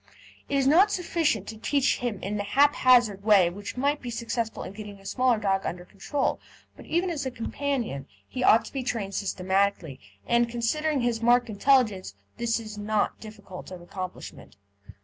It is not sufficient to teach him in the haphazard way which might be successful in getting a small dog under control, but even as a companion he ought to be trained systematically, and, considering his marked intelligence, this is not difficult of accomplishment.